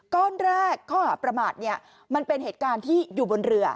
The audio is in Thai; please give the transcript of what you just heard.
ก้อนแรกข้อหาประมาทมันเป็นเหตุการณ์ที่อยู่บนเรือ